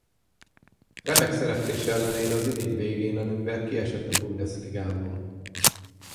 Remek szereplése ellenére az idény végén a Nürnberg kiesett a Bundesligából.